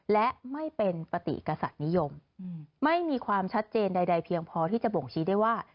และไม่เป็นปฏิกษัตริย์นิยมไม่มีความชัดเจนใดเพียงพอที่จะบ่งชี้ได้ว่า